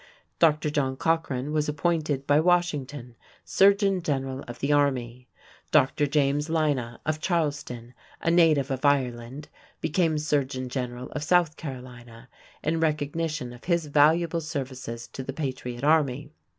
Dr. John Cochran was appointed by Washington surgeon general of the army. Dr. James Lynah of Charleston, a native of Ireland, became surgeon general of South Carolina in recognition of his valuable services to the patriot army.